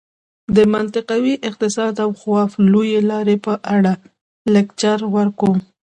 د منطقوي اقتصاد او خواف لویې لارې په اړه لکچر ورکړم.